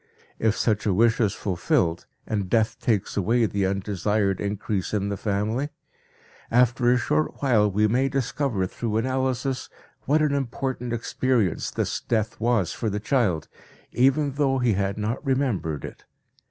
If such a wish is fulfilled, and death takes away the undesired increase in the family, after a short while we may discover through analysis what an important experience this death was for the child, even though he had not remembered it.